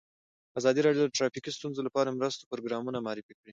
ازادي راډیو د ټرافیکي ستونزې لپاره د مرستو پروګرامونه معرفي کړي.